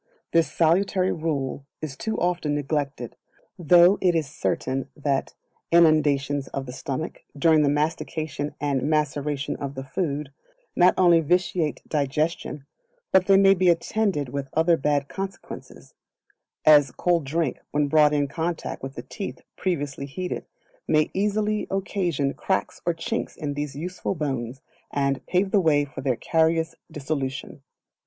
This salutary rule is too often neglected, though it is certain that innundations of the stomach, during the mastication and maceration of the food, not only vitiate digestion, but they may be attended with other bad consequences; as cold drink, when brought in contact with the teeth previously heated, may easily occasion cracks or chinks in these useful bones, and pave the way for their carious dissolution.